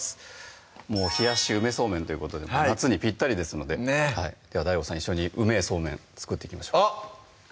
「冷やし梅そうめん」ということで夏にぴったりですのでではＤＡＩＧＯさん一緒にうめぇそうめん作っていきましょうあっ！